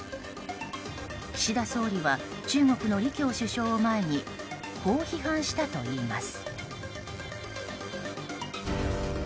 岸田総理は中国の李強首相を前にこう批判したといいます。